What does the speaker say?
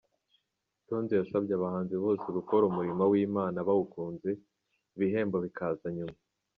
Tonzi yasabye abahanzi bose gukora umurimo w'Imana bawukunze, ibihembo bikaza nyuma.